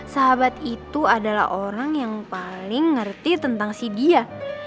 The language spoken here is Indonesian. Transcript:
sahabat itu adalah orang yang paling ngerti tentang si dia